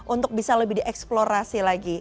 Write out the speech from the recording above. untuk bisa lebih dieksplorasi lagi